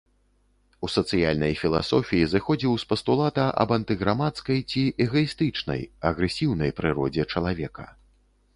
У сацыяльнай філасофіі зыходзіў з пастулата аб антыграмадскай, ці эгаістычнай, агрэсіўнай прыродзе чалавека.